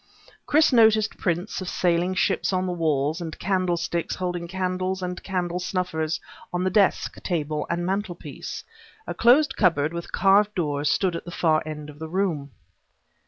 Chris noticed prints of sailing ships on the walls, and candlesticks holding candles and candle snuffers on the desk, table, and mantelpiece. A closed cupboard with carved doors stood at the far end of the room.